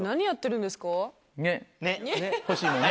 欲しいもんね。